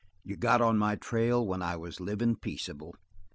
You got on my trail when I was livin' peaceable."